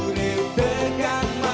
rambi ruang dia